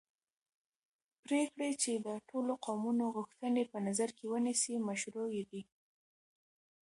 پرېکړې چې د ټولو قومونو غوښتنې په نظر کې ونیسي مشروعې دي